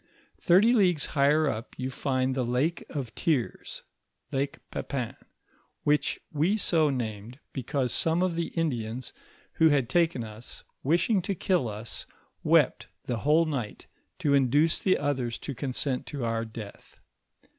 Thirty leagues higher up, yon find the lake of Tears (Lake Pepin), which we so named, because some of the Indians who had taken us, wishing to kill us, wept the whole night, to induce the others to consent to our death.